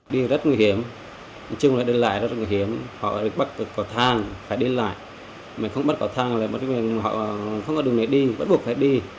đi rất nguy hiểm chung là đi lại rất nguy hiểm họ bắt cầu thang phải đi lại mà không bắt cầu thang là họ không có đường để đi bắt buộc phải đi